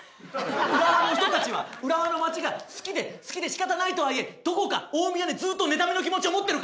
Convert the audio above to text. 浦和の人たちは浦和の町が好きで好きでしかたないとはいえどこか大宮にずっと妬みの気持ちを持ってるから。